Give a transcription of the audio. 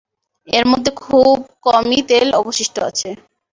এর মধ্যে খুব কমই তেল অবশিষ্ট আছে।